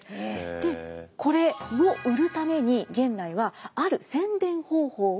でこれを売るために源内はある宣伝方法を実践しました。